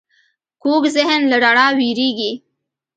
کوږ ذهن له رڼا وېرېږي